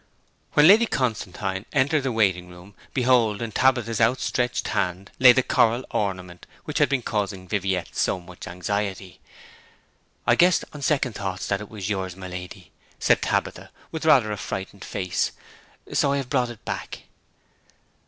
When Lady Constantine entered the waiting room behold, in Tabitha's outstretched hand lay the coral ornament which had been causing Viviette so much anxiety. 'I guessed, on second thoughts, that it was yours, my lady,' said Tabitha, with rather a frightened face; 'and so I have brought it back.'